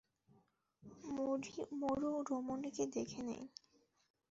মরু রমণীকে দেখে নেই।